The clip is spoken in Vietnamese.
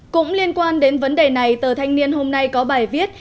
cũng liên quan đến vấn đề này tờ thanh niên hôm nay có bài viết